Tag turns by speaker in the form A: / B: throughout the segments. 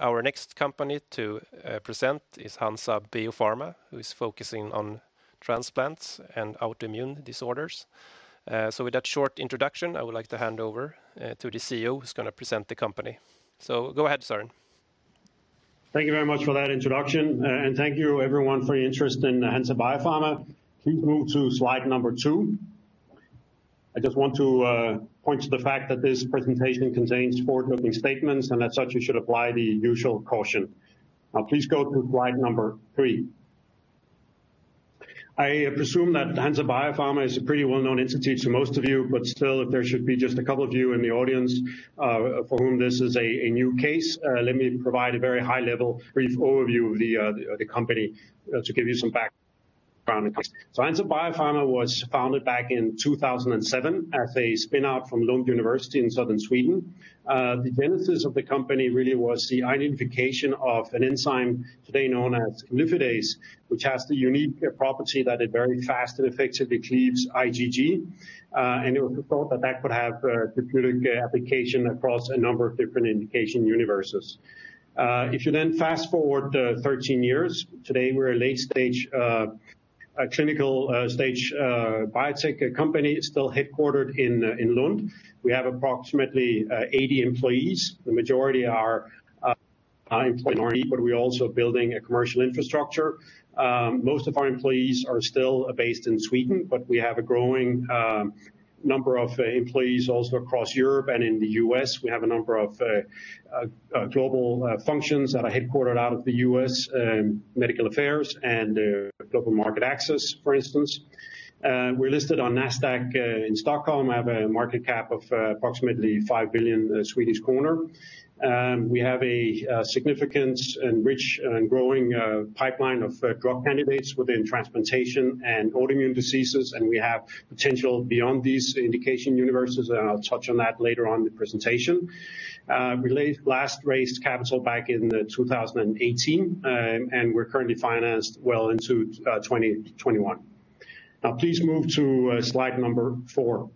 A: Our next company to present is Hansa Biopharma, who is focusing on transplants and autoimmune disorders. With that short introduction, I would like to hand over to the CEO, who is going to present the company. Go ahead, Søren.
B: Thank you very much for that introduction, and thank you everyone for your interest in Hansa Biopharma. Please move to slide number two. I just want to point to the fact that this presentation contains forward-looking statements, and as such, you should apply the usual caution. Please go to slide number three. I presume that Hansa Biopharma is a pretty well-known entity to most of you, but still, if there should be just a couple of you in the audience for whom this is a new case, let me provide a very high-level brief overview of the company to give you some background. Hansa Biopharma was founded back in 2007 as a spin-out from Lund University in southern Sweden. The genesis of the company really was the identification of an enzyme today known as imlifidase, which has the unique property that it very fast and effectively cleaves IgG. It was thought that that could have therapeutic application across a number of different indication universes. If you then fast-forward 13 years, today we are a late clinical stage biotech company, still headquartered in Lund. We have approximately 80 employees. The majority are employed in R&D, but we are also building a commercial infrastructure. Most of our employees are still based in Sweden, but we have a growing number of employees also across Europe and in the U.S. We have a number of global functions that are headquartered out of the U.S., medical affairs and global market access, for instance. We are listed on Nasdaq in Stockholm. We have a market cap of approximately 5 billion Swedish kronor. We have a significant and rich and growing pipeline of drug candidates within transplantation and autoimmune diseases, and we have potential beyond these indication universes, and I will touch on that later on in the presentation. We last raised capital back in 2018, and we are currently financed well into 2021. Please move to slide number four.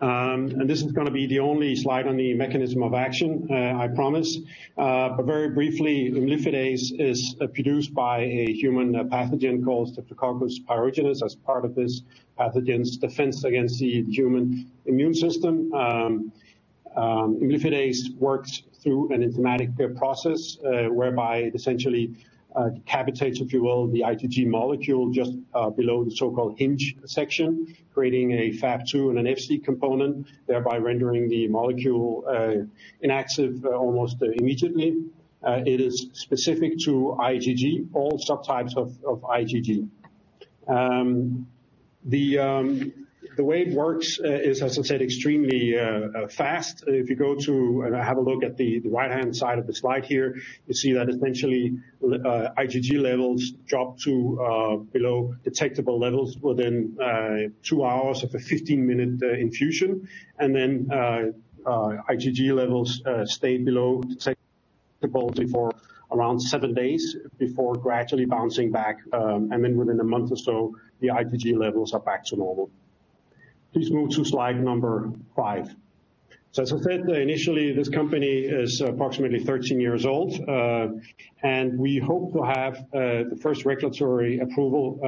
B: This is going to be the only slide on the mechanism of action, I promise. Very briefly, imlifidase is produced by a human pathogen called Streptococcus pyogenes as part of this pathogen's defense against the human immune system. Imlifidase works through an enzymatic process whereby it essentially decapitates, if you will, the IgG molecule just below the so-called hinge section, creating a F(ab')2 and an Fc component, thereby rendering the molecule inactive almost immediately. It is specific to IgG, all subtypes of IgG. The way it works is, as I said, extremely fast. If you go to and have a look at the right-hand side of the slide here, you see that essentially, IgG levels drop to below detectable levels within two hours of a 15-minute infusion. IgG levels stay below detectable for around seven days before gradually bouncing back, and then within a month or so, the IgG levels are back to normal. Please move to slide number five. As I said, initially this company is approximately 13 years old. We hope to have the first regulatory approval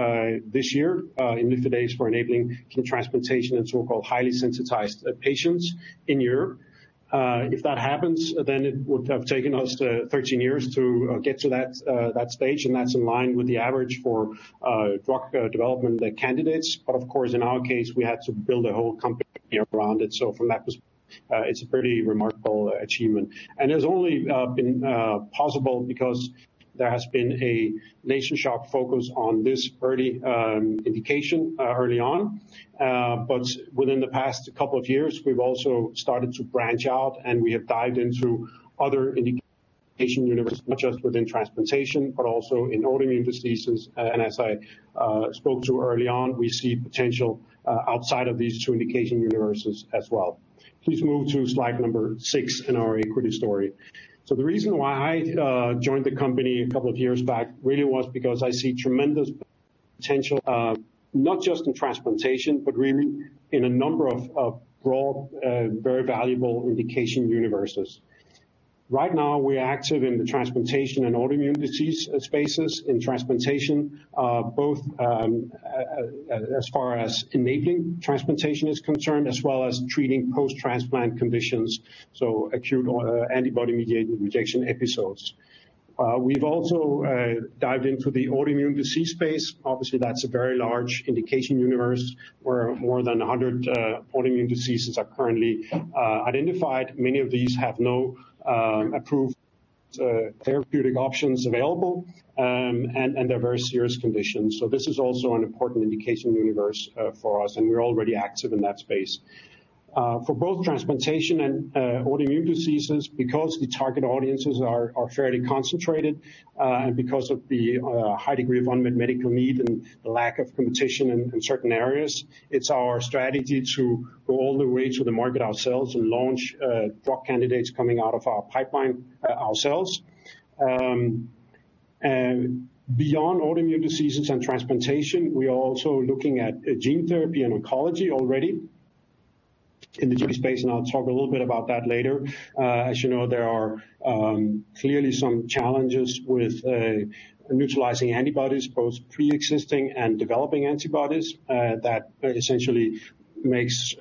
B: this year, imlifidase for enabling transplantation in so-called highly sensitized patients in Europe. If that happens, then it would have taken us 13 years to get to that stage, and that's in line with the average for drug development candidates. Of course, in our case, we had to build a whole company around it. From that perspective, it's a pretty remarkable achievement. It's only been possible because there has been a laser-sharp focus on this early indication early on. Within the past couple of years, we've also started to branch out, and we have dived into other indication universes, not just within transplantation, but also in autoimmune diseases. As I spoke to early on, we see potential outside of these two indication universes as well. Please move to slide number six in our equity story. The reason why I joined the company a couple of years back really was because I see tremendous potential, not just in transplantation, but really in a number of broad, very valuable indication universes. Right now, we're active in the transplantation and autoimmune disease spaces. In transplantation, both as far as enabling transplantation is concerned as well as treating post-transplant conditions, so acute antibody-mediated rejection episodes. We've also dived into the autoimmune disease space. Obviously, that's a very large indication universe where more than 100 autoimmune diseases are currently identified. Many of these have no approved therapeutic options available, and they're very serious conditions. This is also an important indication universe for us, and we're already active in that space. For both transplantation and autoimmune diseases, because the target audiences are fairly concentrated and because of the high degree of unmet medical need and the lack of competition in certain areas, it's our strategy to go all the way to the market ourselves and launch drug candidates coming out of our pipeline ourselves. Beyond autoimmune diseases and transplantation, we are also looking at gene therapy and oncology already in the gene space, and I'll talk a little bit about that later. As you know, there are clearly some challenges with neutralizing antibodies, both preexisting and developing antibodies that essentially makes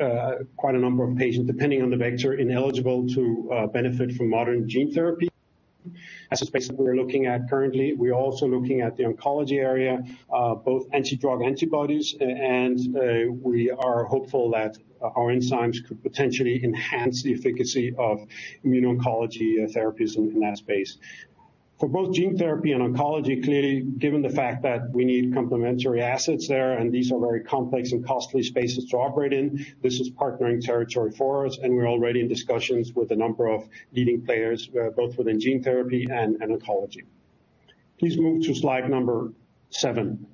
B: quite a number of patients, depending on the vector, ineligible to benefit from modern gene therapy. That's a space that we're looking at currently. We're also looking at the oncology area, both anti-drug antibodies, and we are hopeful that our enzymes could potentially enhance the efficacy of immune oncology therapies in that space. For both gene therapy and oncology, clearly, given the fact that we need complementary assets there, and these are very complex and costly spaces to operate in, this is partnering territory for us, and we're already in discussions with a number of leading players both within gene therapy and oncology. Please move to slide number seven.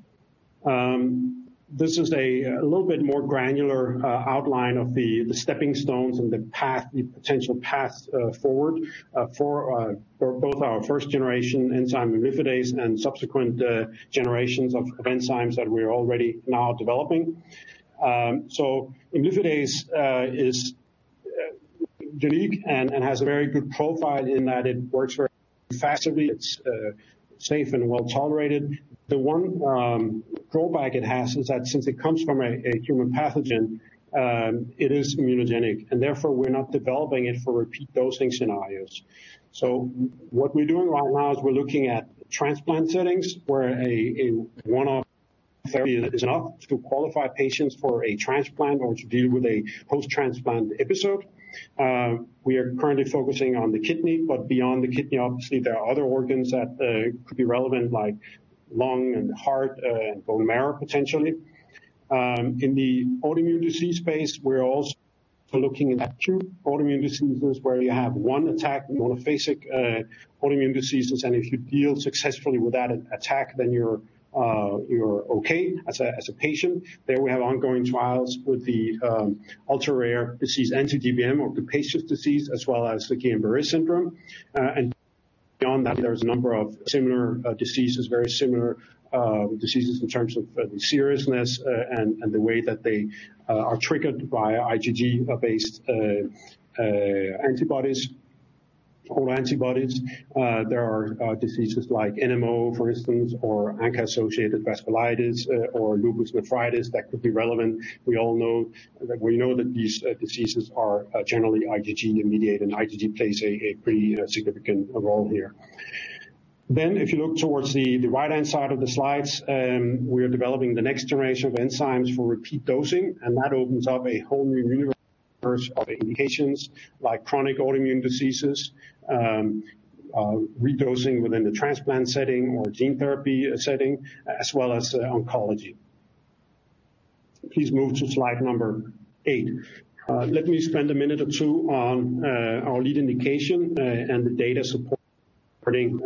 B: This is a little bit more granular outline of the stepping stones and the potential path forward for both our first-generation enzyme, imlifidase, and subsequent generations of enzymes that we're already now developing. imlifidase is unique and has a very good profile in that it works very effectively. It's safe and well-tolerated. The one drawback it has is that since it comes from a human pathogen, it is immunogenic, and therefore, we're not developing it for repeat dosing scenarios. What we're doing right now is we're looking at transplant settings where a one-off therapy is enough to qualify patients for a transplant or to deal with a post-transplant episode. We are currently focusing on the kidney, but beyond the kidney, obviously, there are other organs that could be relevant, like lung and heart, and bone marrow, potentially. In the autoimmune disease space, we're also looking at acute autoimmune diseases where you have one attack, monophasic autoimmune diseases, and if you deal successfully with that attack, then you're okay as a patient. There we have ongoing trials with the ultra-rare disease anti-GBM or Goodpasture's disease, as well as the Guillain-Barré syndrome. Beyond that, there's a number of similar diseases, very similar diseases in terms of the seriousness and the way that they are triggered by IgG-based antibodies or antibodies. There are diseases like NMO, for instance, or ANCA-associated vasculitis or lupus nephritis that could be relevant. We know that these diseases are generally IgG-mediated, and IgG plays a pretty significant role here. If you look towards the right-hand side of the slides, we are developing the next generation of enzymes for repeat dosing, and that opens up a whole new universe of indications like chronic autoimmune diseases, redosing within the transplant setting or gene therapy setting, as well as oncology. Please move to slide number eight. Let me spend a minute or two on our lead indication and the data supporting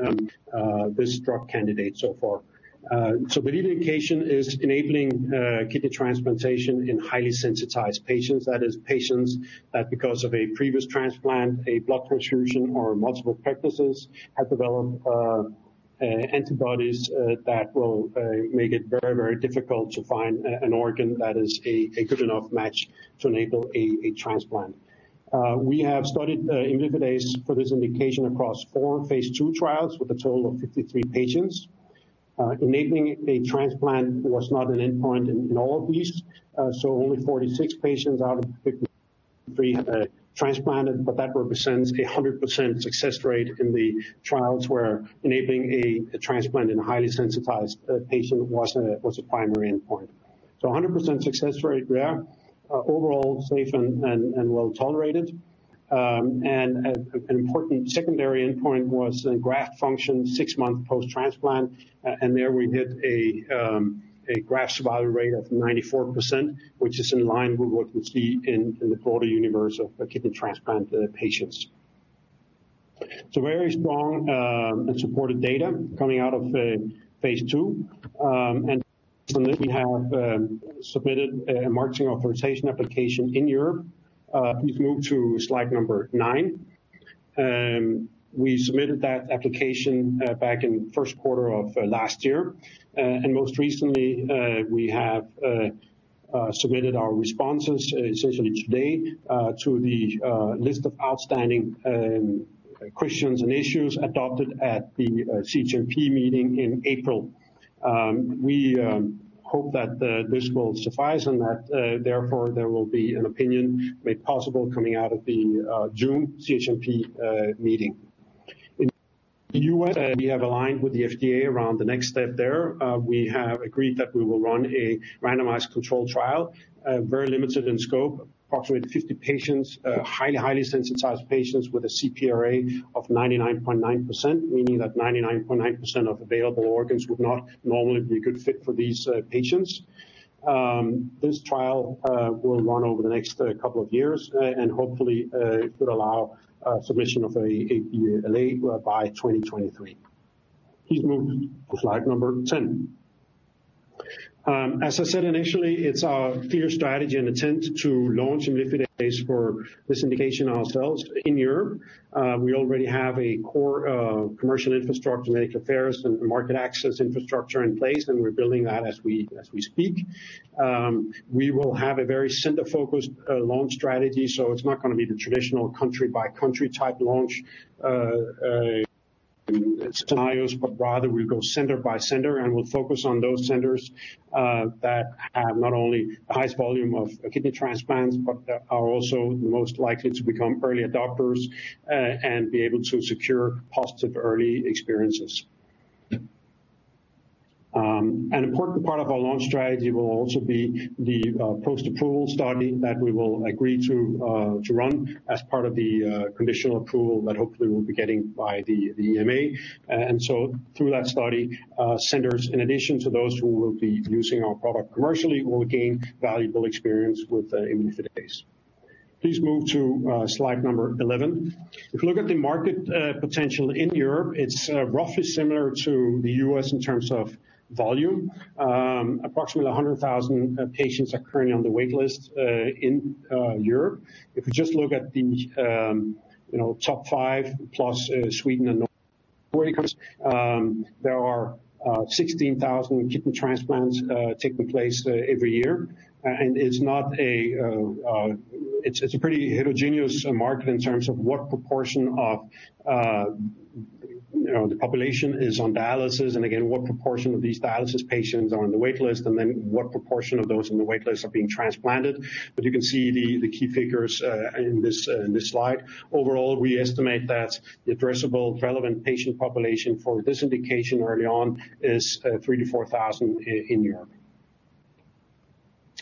B: this drug candidate so far. The lead indication is enabling kidney transplantation in highly sensitized patients, that is, patients that because of a previous transplant, a blood transfusion, or multiple practices, have developed antibodies that will make it very, very difficult to find an organ that is a good enough match to enable a transplant. We have studied imlifidase for this indication across four phase II trials with a total of 53 patients. Enabling a transplant was not an endpoint in all of these, so only 46 patients out of 53 transplanted, but that represents a 100% success rate in the trials where enabling a transplant in a highly sensitized patient was a primary endpoint. So 100% success rate there. Overall safe and well-tolerated. An important secondary endpoint was graft function six months post-transplant, and there we hit a graft survival rate of 94%, which is in line with what we see in the broader universe of kidney transplant patients. So very strong and supported data coming out of phase II. Recently we have submitted a marketing authorization application in Europe. Please move to slide number nine. We submitted that application back in the first quarter of last year. Most recently, we have submitted our responses essentially today to the list of outstanding questions and issues adopted at the CHMP meeting in April. We hope that this will suffice and that therefore there will be an opinion made possible coming out of the June CHMP meeting. In the U.S., we have aligned with the FDA around the next step there. We have agreed that we will run a randomized controlled trial, very limited in scope, approximately 50 patients, highly sensitized patients with a CPRA of 99.9%, meaning that 99.9% of available organs would not normally be a good fit for these patients. This trial will run over the next couple of years and hopefully could allow submission of a label by 2023. Please move to slide number 10. As I said initially, it is our clear strategy and intent to launch imlifidase for this indication ourselves in Europe. We already have a core commercial infrastructure, medical affairs, and market access infrastructure in place, and we are building that as we speak. We will have a very center-focused launch strategy, it is not going to be the traditional country-by-country type launch scenarios, but rather we will go center by center, and we will focus on those centers that have not only the highest volume of kidney transplants, but that are also the most likely to become early adopters and be able to secure positive early experiences. An important part of our launch strategy will also be the post-approval study that we will agree to run as part of the conditional approval that hopefully we will be getting by the EMA. Through that study, centers, in addition to those who will be using our product commercially, will gain valuable experience with imlifidase. Please move to slide number 11. If you look at the market potential in Europe, it is roughly similar to the U.S. in terms of volume. Approximately 100,000 patients are currently on the wait list in Europe. If you just look at the top five plus Sweden and Norway, there are 16,000 kidney transplants taking place every year. It is a pretty heterogeneous market in terms of what proportion of the population is on dialysis, and again, what proportion of these dialysis patients are on the wait list, and then what proportion of those on the wait list are being transplanted. You can see the key figures in this slide. Overall, we estimate that the addressable relevant patient population for this indication early on is 3,000 to 4,000 in Europe.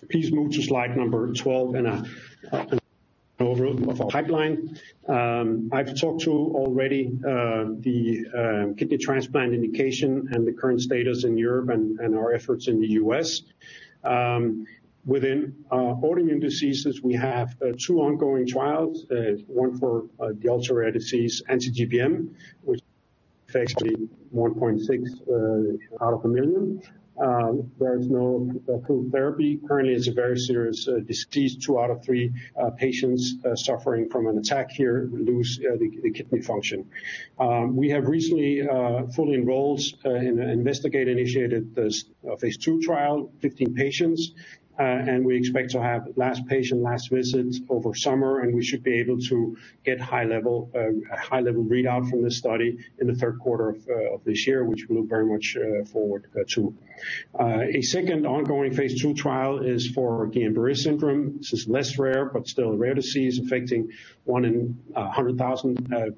B: Please move to slide number 12, an overview of our pipeline. I have talked to already the kidney transplant indication and the current status in Europe and our efforts in the U.S. Within autoimmune diseases, we have two ongoing trials, one for the ultra-rare disease anti-GBM, which affects maybe 1.6 out of a million. There is no approved therapy. Currently, it is a very serious disease. Two out of three patients suffering from an attack here lose the kidney function. We have recently fully enrolled and investigator-initiated this phase II trial, 15 patients, and we expect to have last patient, last visit over summer, and we should be able to get high-level readout from this study in the third quarter of this year, which we look very much forward to. A second ongoing phase II trial is for Guillain-Barré syndrome. This is less rare, but still a rare disease affecting one in 100,000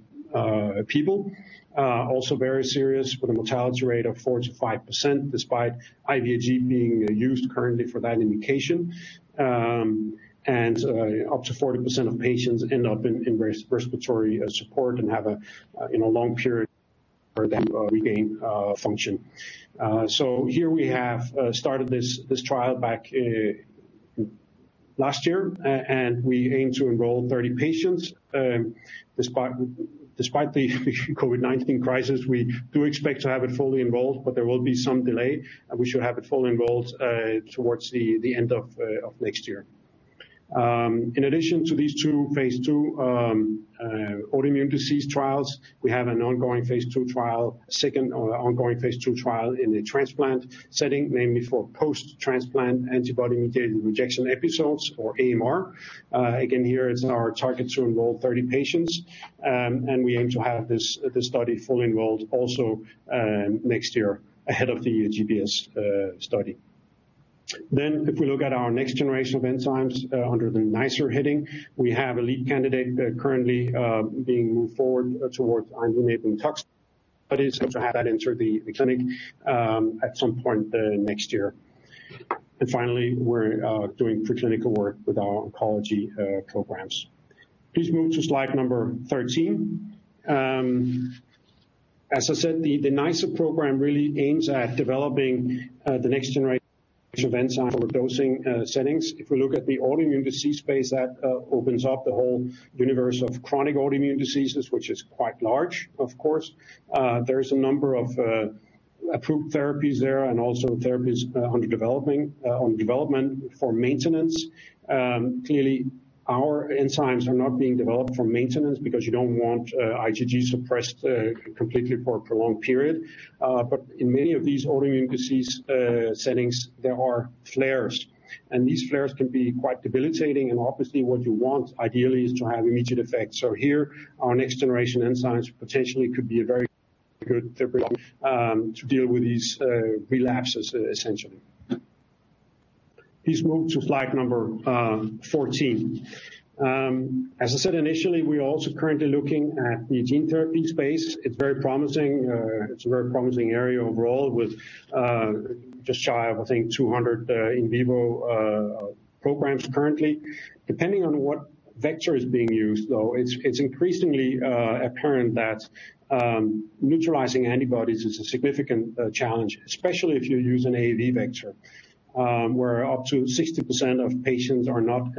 B: people. Very serious with a mortality rate of 4%-5%, despite IVIG being used currently for that indication. Up to 40% of patients end up in respiratory support and have a long period before they regain function. Here we have started this trial back last year, and we aim to enroll 30 patients. Despite the COVID-19 crisis, we do expect to have it fully enrolled, but there will be some delay, and we should have it fully enrolled towards the end of next year. In addition to these 2 phase II autoimmune disease trials, we have an ongoing phase II trial, a second ongoing phase II trial in the transplant setting, namely for post-transplant antibody-mediated rejection episodes or AMR. Again, here it's our target to enroll 30 patients, and we aim to have this study fully enrolled also next year ahead of the GBS study. If we look at our next generation of enzymes under the NiceR heading, we have a lead candidate currently being moved forward towards immunotoxicity studies. Hope to have that enter the clinic at some point next year. Finally, we're doing preclinical work with our oncology programs. Please move to slide number 13. As I said, the NiceR program really aims at developing the next generation of enzyme overdosing settings. If we look at the autoimmune disease space, that opens up the whole universe of chronic autoimmune diseases, which is quite large, of course. There is a number of approved therapies there and also therapies on development for maintenance. Clearly, our enzymes are not being developed for maintenance because you don't want IgG suppressed completely for a prolonged period. In many of these autoimmune disease settings, there are flares, and these flares can be quite debilitating, and obviously what you want ideally is to have immediate effect. Here, our next generation enzymes potentially could be a very good therapy to deal with these relapses, essentially. Please move to slide number 14. As I said initially, we are also currently looking at the gene therapy space. It's very promising. It's a very promising area overall with just shy of, I think, 200 in vivo programs currently. Depending on what vector is being used, though, it's increasingly apparent that neutralizing antibodies is a significant challenge, especially if you use an AAV vector, where up to 60% of patients are not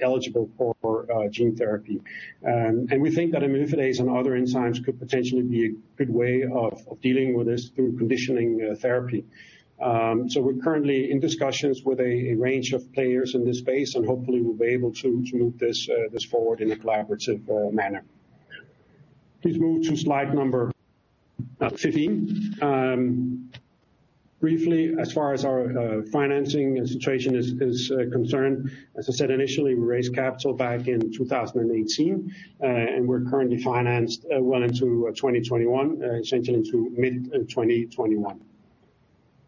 B: eligible for gene therapy. We think that imlifidase and other enzymes could potentially be a good way of dealing with this through conditioning therapy. We're currently in discussions with a range of players in this space, hopefully we'll be able to move this forward in a collaborative manner. Please move to slide number 15. Briefly, as far as our financing situation is concerned, as I said initially, we raised capital back in 2018, we're currently financed well into 2021, essentially into mid-2021.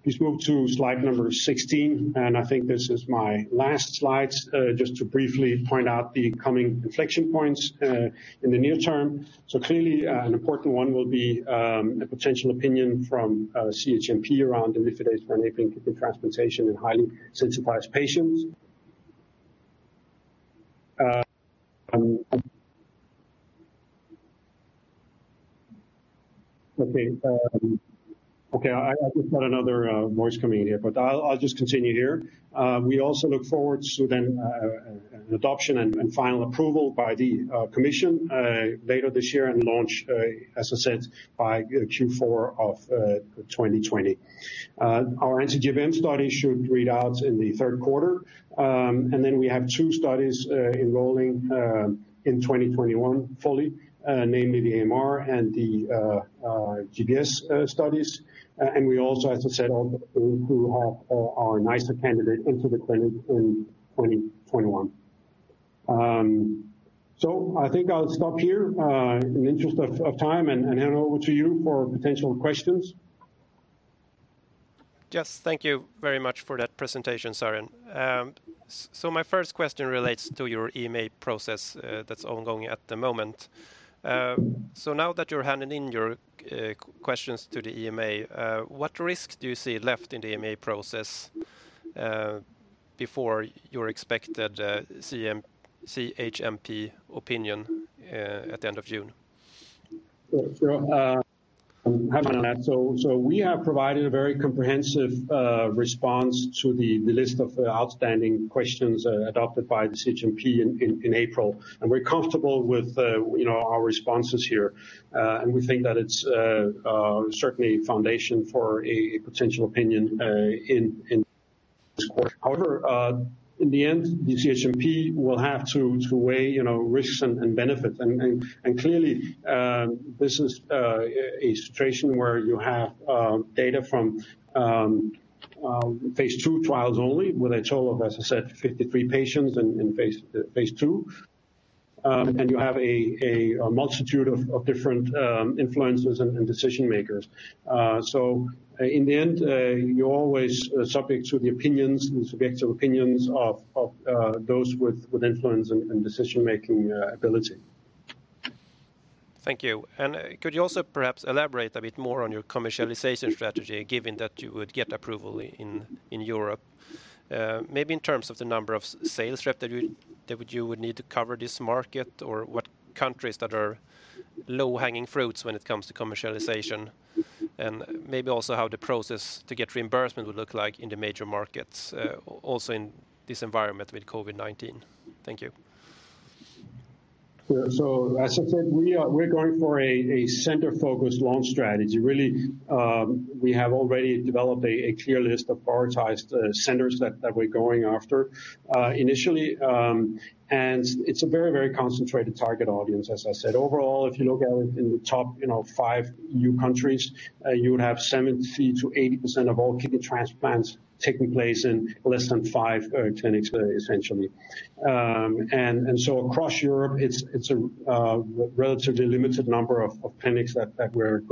B: Please move to slide number 16. I think this is my last slide, just to briefly point out the coming inflection points in the near term. Clearly, an important one will be a potential opinion from CHMP around the imlifidase for enabling kidney transplantation in highly sensitized patients. Okay, I've just got another voice coming in here, but I'll just continue here. We also look forward to an adoption and final approval by the commission later this year and launch, as I said, by Q4 of 2020. Our anti-GBM study should read out in the third quarter. Then we have two studies enrolling in 2021 fully, namely the AMR and the GBS studies. We also, as I said, hope to include our NiceR candidate into the clinic in 2021. I think I'll stop here in the interest of time and hand over to you for potential questions.
A: Yes, thank you very much for that presentation, Søren. My first question relates to your EMA process that's ongoing at the moment. Now that you're handing in your questions to the EMA, what risk do you see left in the EMA process before your expected CHMP opinion at the end of June?
B: We have provided a very comprehensive response to the list of outstanding questions adopted by the CHMP in April. We're comfortable with our responses here. We think that it's certainly foundation for a potential opinion in this quarter. However, in the end, the CHMP will have to weigh risks and benefits. Clearly, this is a situation where you have data from phase II trials only with a total of, as I said, 53 patients in phase II. You have a multitude of different influencers and decision-makers. In the end, you're always subject to the opinions and subjective opinions of those with influence and decision-making ability.
A: Thank you. Could you also perhaps elaborate a bit more on your commercialization strategy, given that you would get approval in Europe? Maybe in terms of the number of sales rep that you would need to cover this market, or what countries that are low-hanging fruits when it comes to commercialization, and maybe also how the process to get reimbursement would look like in the major markets, also in this environment with COVID-19. Thank you.
B: As I said, we're going for a center-focused launch strategy. We have already developed a clear list of prioritized centers that we're going after initially. It's a very concentrated target audience, as I said. Overall, if you look at it in the top five new countries, you would have 70%-80% of all kidney transplants taking place in less than five clinics, essentially. Across Europe, it's a relatively limited number of clinics that we're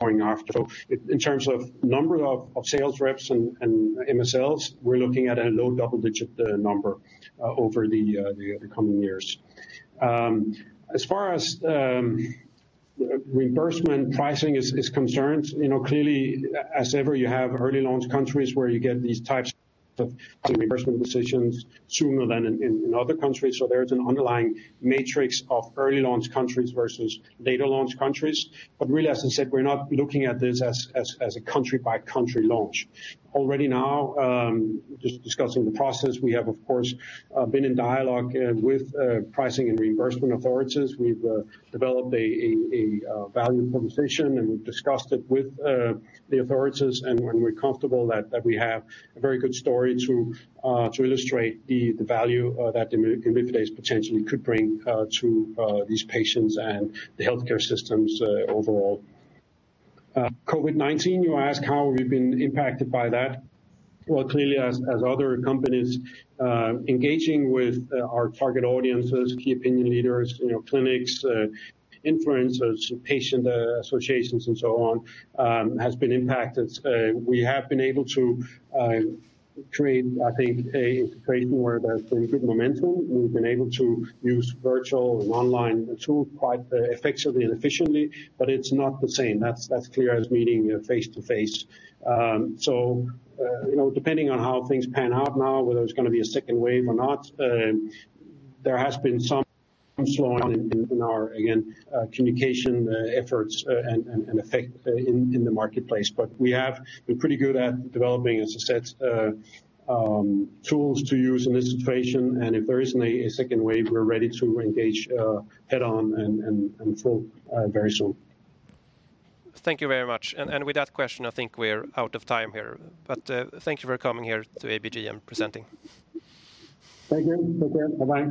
B: going after. In terms of number of sales reps and MSLs, we're looking at a low double-digit number over the coming years. As far as reimbursement pricing is concerned, clearly, as ever, you have early launch countries where you get these types of reimbursement decisions sooner than in other countries. There's an underlying matrix of early launch countries versus later launch countries. As I said, we're not looking at this as a country-by-country launch. Already now, just discussing the process, we have, of course, been in dialogue with pricing and reimbursement authorities. We've developed a value proposition, and we've discussed it with the authorities. We're comfortable that we have a very good story to illustrate the value that imlifidase potentially could bring to these patients and the healthcare systems overall. COVID-19, you ask how we've been impacted by that. Clearly, as other companies engaging with our target audiences, key opinion leaders, clinics, influencers, patient associations, and so on, has been impacted. We have been able to create, I think, a framework that's pretty good momentum. We've been able to use virtual and online tools quite effectively and efficiently, but it's not the same. That's clear as meeting face to face. Depending on how things pan out now, whether there's going to be a second wave or not, there has been some slowing in our, again, communication efforts and effect in the marketplace. We're pretty good at developing, as I said, tools to use in this situation. If there is a second wave, we're ready to engage head-on and full very soon.
A: Thank you very much. With that question, I think we're out of time here. Thank you for coming here to ABG and presenting.
B: Thank you. Take care. Bye-bye